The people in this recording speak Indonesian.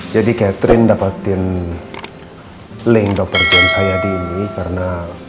jadi catherine dapatin link dokter john hayadi ini karena